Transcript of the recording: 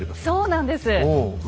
そうなんです。